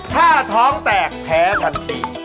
ถ้าท้องแตกแพ้ทันที